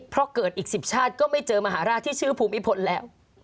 เพราะเกิดอีก๑๐ชาติก็ไม่เจอมหาราชที่ชื่อภูมิพลแล้ว